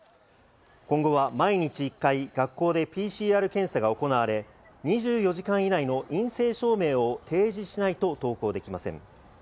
今後は毎日１回、学校でＰＣＲ検査が行われ、２４時間以内の陰性証明を提示しないと登校できません。